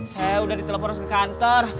saya udah ditelepon ke kantor